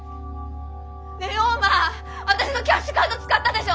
ねえ陽馬あたしのキャッシュカード使ったでしょ！